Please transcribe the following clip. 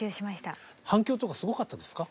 反響とかすごかったですか？